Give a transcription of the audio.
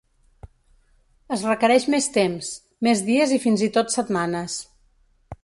Es requereix més temps, més dies i fins i tot setmanes.